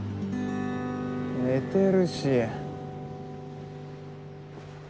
寝てるし。